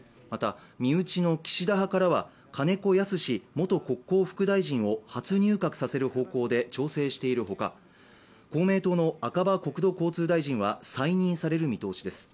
また身内の岸田派からは金子恭之元国交副大臣を初入閣させる方向で調整している他、公明党の赤羽国土交通大臣は再任される見通しです。